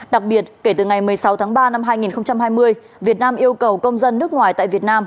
đặc biệt kể từ ngày một mươi sáu tháng ba năm hai nghìn hai mươi việt nam yêu cầu công dân nước ngoài tại việt nam